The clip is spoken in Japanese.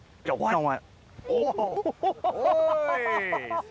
おい。